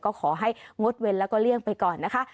ก็ขอให้งดเว้นแล้วก็เลี่ยงไปก่อนนะคะ